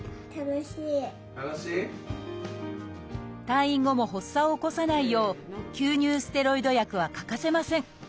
退院後も発作を起こさないよう吸入ステロイド薬は欠かせません。